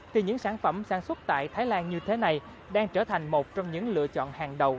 thì những sản phẩm sản xuất tại thái lan như thế này đang trở thành một trong những lựa chọn hàng đầu